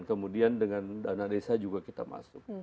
kemudian dengan dana desa juga kita masuk